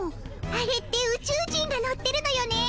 あれってうちゅう人が乗ってるのよね。